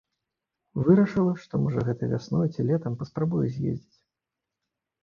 Вырашыла, што можа гэтай вясной ці летам паспрабую з'ездзіць.